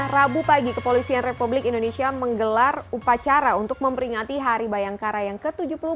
rabu pagi kepolisian republik indonesia menggelar upacara untuk memperingati hari bayangkara yang ke tujuh puluh empat